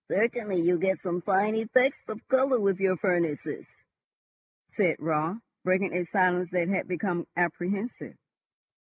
"Certainly you get some fine effects of colour with your furnaces," said Raut, breaking a silence that had become apprehensive.